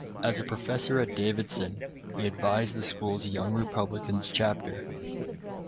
As a professor at Davidson, he advised the school's Young Republicans chapter.